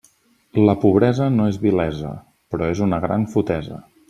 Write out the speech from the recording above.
La pobresa no és vilesa, però és una gran fotesa.